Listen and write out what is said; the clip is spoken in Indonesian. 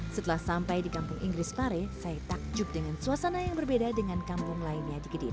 setelah sampai di kampung inggris pare saya takjub dengan suasana yang berbeda dengan kampung lainnya di kediri